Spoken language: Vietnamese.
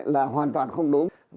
là hoàn toàn không đúng